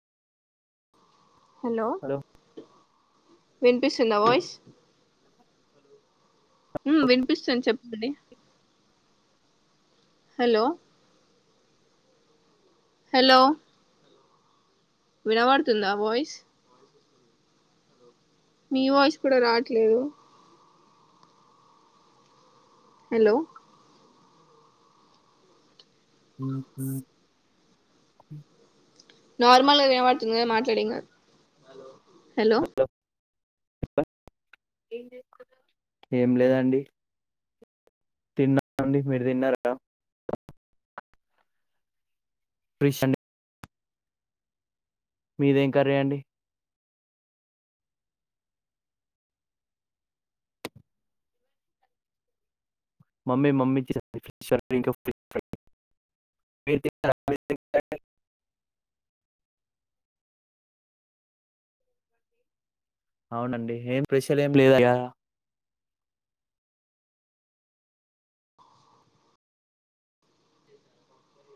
hello వినిపిస్తుంద voice ఊ వినిపిస్తుంది చెప్పండి హలో హలో వినబడుతుందా వాయిస్ మీ వాయిస్ కూడా రావట్లేదు హలో హ నార్మల్గా వినవాడుతుంది కదా మాట్లాడేమ్ కాదు హలో హలో ఏం లేదండి తిన్నా అండి మీరు తిన్నార ప్లీస్ అండి మీదేం కర్రే అండి [unintelligible] అవునండి ఏం స్పెషలు ఏమి లేద ఇగ